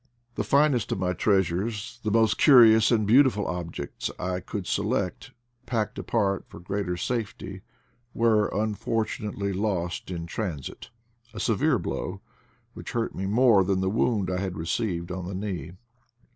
The finest of my treasures, the most curi ous and beautiful objects I could select, packed apart for greater safety, were unfortunately lost in transit — a severe blow, which hurt me more than the wound I had received on the knee.